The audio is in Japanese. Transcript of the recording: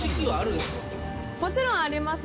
もちろんあります。